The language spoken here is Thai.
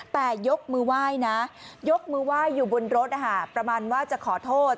แต่ยกมือไหว้นะยกมือไหว้อยู่บนรถประมาณว่าจะขอโทษ